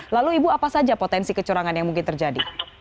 lalu ibu apa saja potensi kecurangan yang mungkin terjadi